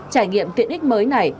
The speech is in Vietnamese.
trải nghiệm tiện ích mới này